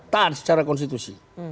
taat secara konstitusi